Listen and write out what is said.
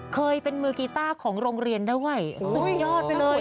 เคยเป็นมือกีต้าของโรงเรียนด้วยสุดยอดไปเลย